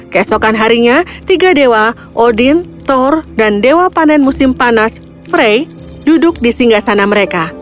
keesokan harinya tiga dewa odin thor dan dewa panen musim panas frey duduk di singgah sana mereka